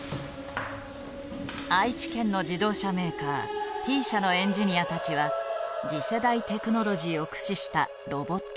愛知県の自動車メーカーＴ社のエンジニアたちは次世代テクノロジーを駆使したロボット開発者。